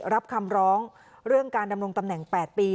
รับคำร้องเรื่องการดำรงตำแหน่ง๘ปี